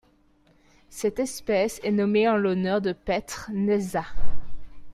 Cette espèce est nommée en l'honneur de Petr Nečas.